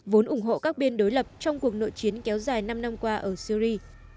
vốn ủng hộ các bên đối lập trong cuộc nội chiến kéo dài năm năm qua ở syri